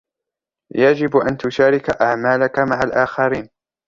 يجب أن تشارك أعمالك مع الآخرين.